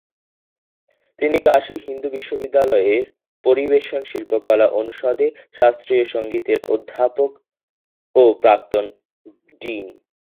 তিনি কাশী হিন্দু বিশ্ববিদ্যালয়ের পরিবেশন শিল্পকলা অনুষদে শাস্ত্রীয় সংগীতের অধ্যাপক এবং প্রাক্তন ডিন।